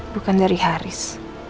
bukan dari haris